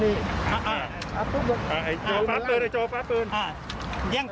เยี่ยมปืนใช่มั้ย